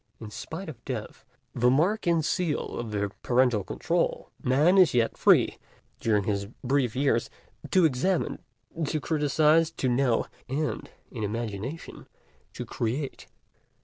In spite of Death, the mark and seal of the parental control, Man is yet free, during his brief years, to examine, to criticize, to know, and in imagination to create.